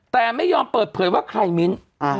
แต่ไม่ยอมเปิดเผยว่าใครมิ้น